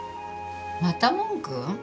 また文句？